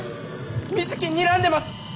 水木にらんでます！